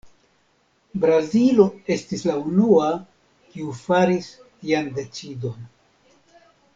Brazilo estis la unua, kiu faris tian decidon.